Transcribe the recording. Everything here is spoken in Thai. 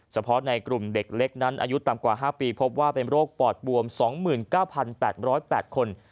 เฉพาะในกลุ่มเด็กเล็กนั้นอายุต่ำกว่า๕ปีพบว่าเป็นโรคปอดบวม๒๙๘๐๘คน